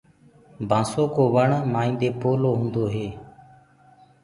بآسو ڪو وڻ مآئينٚ دي پولو هوندو هي۔